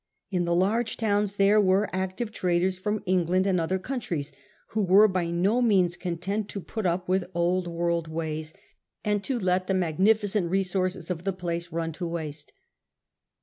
In the large towns there were active traders from England and other countries, who were by no means content to put up with old world ways, and to let the magniii VOT,. T. E 50 A HISTORY OF OUR OWN TIMES. cm. in. cent resources of the place run to waste.